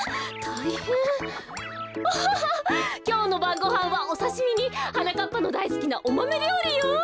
オホホきょうのばんごはんはおさしみにはなかっぱのだいすきなおマメりょうりよ。